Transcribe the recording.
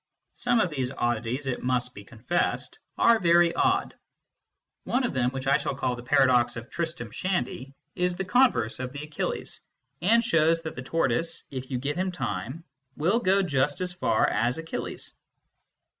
Some of these oddities, it must be confessed, are very odd. One of them, which I call the paradox of Tristram Shandy, is the converse of the Achilles, and shows that the tortoise, if you give him time, will go just as far as Achilles.